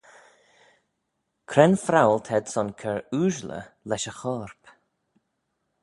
Cre'n phrowal t'ayd son cur ooashley lesh y chorp?